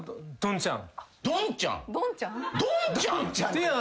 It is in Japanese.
とんちゃん。